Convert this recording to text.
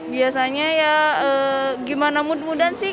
biasanya ya gimana mood moodan sih